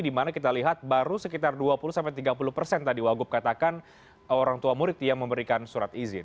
dimana kita lihat baru sekitar dua puluh tiga puluh persen tadi wagub katakan orang tua murid yang memberikan surat izin